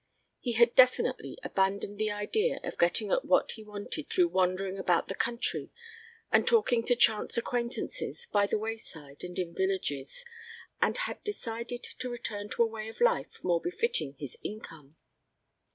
He had definitely abandoned the idea of getting at what he wanted through wandering about the country and talking to chance acquaintances by the wayside and in villages, and had decided to return to a way of life more befitting his income.